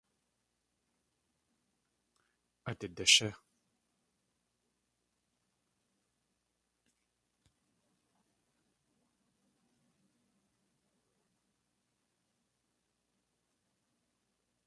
Át idashí!